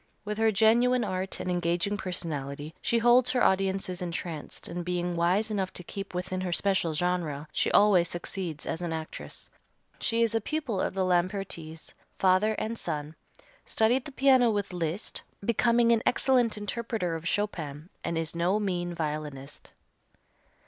With her genuine art and engaging personality she holds her audiences entranced and, being wise enough to keep within her special genre, she always succeeds as an actress. She is a pupil of the Lampertis, father and son, studied the piano with Liszt, becoming an excellent interpreter of Chopin, and is no mean violinist.